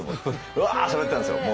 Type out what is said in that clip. うわしゃべってたんですよ。